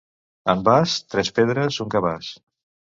En Bas, tres pedres, un cabàs.